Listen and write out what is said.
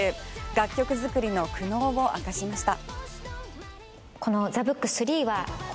楽曲作りの苦悩を明かしました。